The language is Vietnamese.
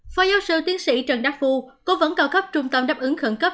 phó giáo sư tiến sĩ trần đắc phu cố vấn cao cấp trung tâm đáp ứng khẩn cấp